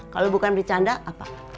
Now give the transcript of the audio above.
kalau bukan bercanda apa